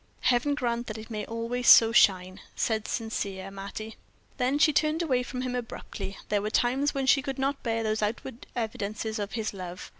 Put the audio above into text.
"Heaven grant that it may always so shine!" said sincere Mattie. Then she turned away from him abruptly. There were times when she could not bear those outward evidences of his love.